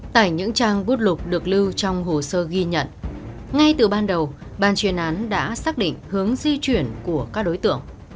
tại những trang bút lục được lưu trong hồ sơ ghi nhận ngay từ ban đầu ban chuyên án đã xác định hướng di chuyển của các đối tượng